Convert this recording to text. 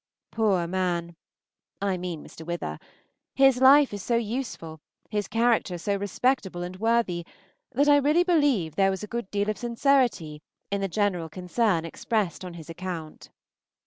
Poor man! I mean Mr. Wither his life is so useful, his character so respectable and worthy, that I really believe there was a good deal of sincerity in the general concern expressed on his account.